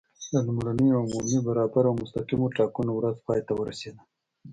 د لومړنیو عمومي، برابرو او مستقیمو ټاکنو ورځ پای ته ورسېده.